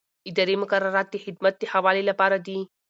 اداري مقررات د خدمت د ښه والي لپاره دي.